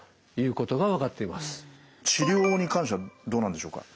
治療法に関してはどうなんでしょうか？